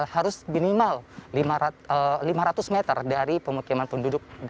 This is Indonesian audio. harus minimal lima ratus meter dari pemukiman penduduk